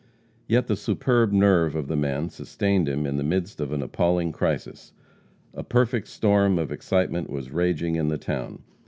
Yet the superb nerve of the man sustained him in the midst of an appalling crisis. A perfect storm of excitement was raging in the town.